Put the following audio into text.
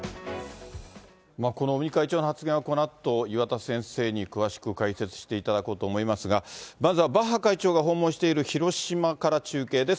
この尾身会長の発言はこのあと、岩田先生に詳しく解説していただこうと思いますが、まずはバッハ会長が訪問している広島から中継です。